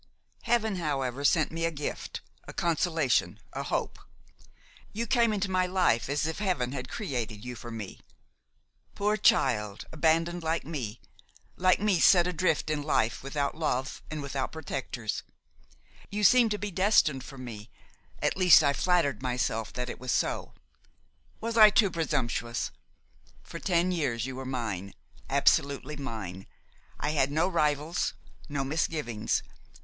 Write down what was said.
"Heaven however sent me a gift, a consolation, a hope. You came into my life as if Heaven had created you for me. Poor child! abandoned like me, like me set adrift in life without love and without protectors, you seemed to be destined for me–at least I flattered myself that it was so. Was I too presumptuous? For ten years you were mine, absolutely mine; I had no rivals, no misgivings.